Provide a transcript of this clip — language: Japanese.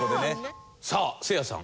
さあせいやさん。